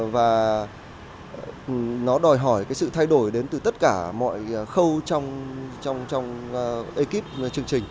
và nó đòi hỏi cái sự thay đổi đến từ tất cả mọi khâu trong ekip chương trình